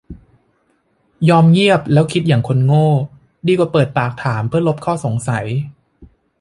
ยอมเงียบแล้วคิดอย่างคนโง่ดีกว่าเปิดปากถามเพื่อลบข้อสงสัย